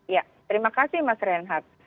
ya terima kasih mas renhat